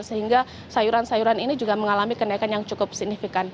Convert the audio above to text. sehingga sayuran sayuran ini juga mengalami kenaikan yang cukup signifikan